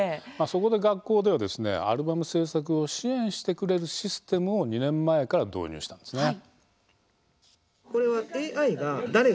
そこで学校ではアルバム制作を支援してくれるシステムを２年前から導入したんですね。